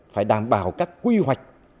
phải đảm bảo các quy hoạch